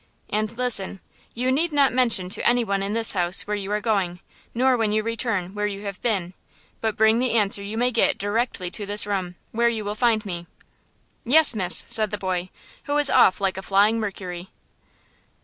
And listen! You need not mention to anyone in this house where you are going–nor when you return, where you have been; but bring the answer you may get directly to this room, where you will find me." "Yes, miss," said the boy, who was off like a flying Mercury.